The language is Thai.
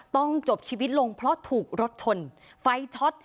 ต้องจบชีวิตลงเพราะถูกรถชนไฟช็อต